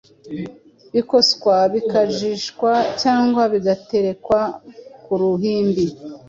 bikoswa bikajishwa cyangwa bigaterekwa ku ruhimbi.